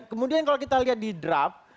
kemudian kalau kita lihat di draft